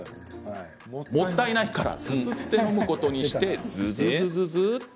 もったいないからすすって飲むことにして、続く。